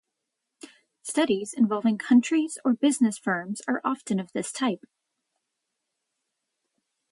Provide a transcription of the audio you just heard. Studies involving countries or business firms are often of this type.